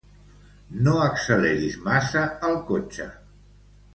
No acceleris massa el cotxe.